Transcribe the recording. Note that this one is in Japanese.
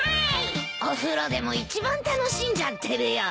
お風呂でも一番楽しんじゃってるよ。